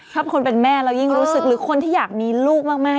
ถ้าเป็นคนเป็นแม่เรายิ่งรู้สึกหรือคนที่อยากมีลูกมาก